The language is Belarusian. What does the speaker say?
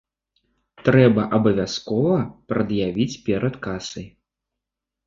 Трэба абавязкова прад'явіць перад касай.